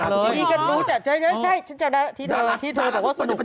ทีนี้ก็รู้จัดใช่ที่เธอบอกว่าสนุกมาก